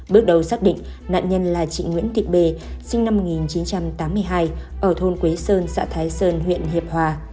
bước đầu xác định nạn nhân là chị nguyễn thị bề sinh năm một nghìn chín trăm tám mươi hai ở thôn quế sơn xã thái sơn huyện hiệp hòa